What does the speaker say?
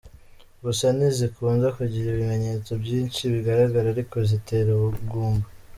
Gusa ntizikunda kugira ibimenyetso byinshi bigaragara ariko zitera ubugumba.